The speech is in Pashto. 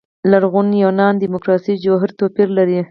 لرغوني یونان دیموکراسي جوهري توپير لري.